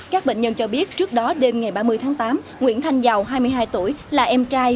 các bệnh nhân cho biết trước đó đêm ngày ba mươi tháng tám nguyễn thanh giàu hai mươi hai tuổi là em trai